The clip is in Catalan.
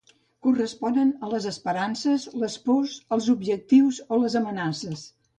Corresponen a les esperances, les pors, els objectius o les amenaces.